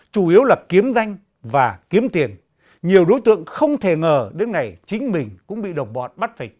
chủ yếu là kiếm danh và kiếm tiền nhiều đối tượng không thể ngờ đến ngày chính mình cũng bị độc bọn bắt phải trả danh